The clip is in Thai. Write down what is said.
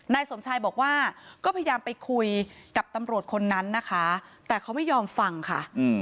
นายสมชายบอกว่าก็พยายามไปคุยกับตำรวจคนนั้นนะคะแต่เขาไม่ยอมฟังค่ะ